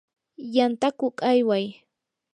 yantakuq ayway.